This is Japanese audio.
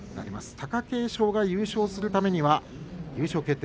貴景勝が優勝するためには優勝決定